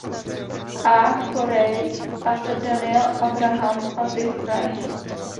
A. Corey a to Daniel Abraham a Ty Franck.